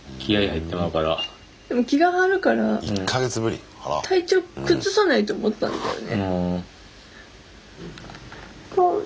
気が張るから体調崩さないと思ったんだよね。